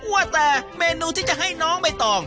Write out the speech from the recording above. ว่าแต่เมนูที่จะให้น้องใบตอง